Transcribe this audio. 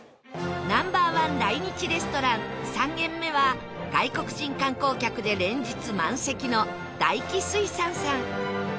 Ｎｏ．１ 来日レストラン３軒目は外国人観光客で連日満席の大起水産さん